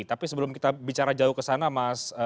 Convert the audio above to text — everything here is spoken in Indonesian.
tapi sebelum kita bicara jauh ke sana mas